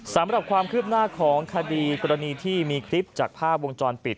สำหรับความคืบหน้าของคดีกรณีที่มีคลิปจากภาพวงจรปิด